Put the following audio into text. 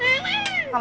mereka juga berharap